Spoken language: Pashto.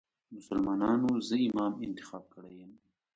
مسلمانانو زه امام انتخاب کړی یم.